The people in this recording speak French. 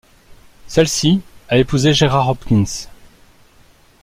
Celle-ci a épousé Gerard Hopkins.